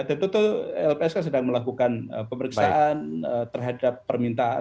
tentu lpsk sedang melakukan pemeriksaan terhadap permintaan